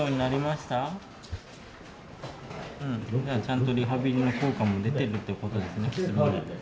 じゃあちゃんとリハビリの効果も出てるということですね。